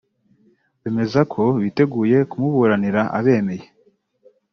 bemeza ko biteguye kumuburanira abemeye